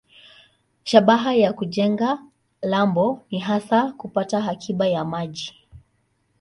Shabaha ya kujenga lambo ni hasa kupata akiba ya maji.